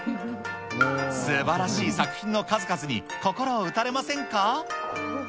すばらしい作品の数々に心を打たれませんか。